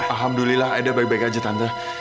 alhamdulillah ada baik baik aja tante